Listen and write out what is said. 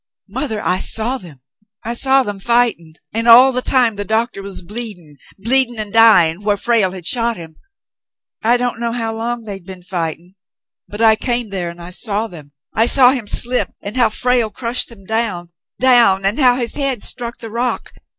IMother, I saw them ! I saw them fighting — and all the time the doctor was bleeding — bleeding and dying, where Frale had shot him. I don't know how long they'd been fighting, but I came there and I saw them. I saw him slip and how Frale crushed him down — down — and his head struck the rock.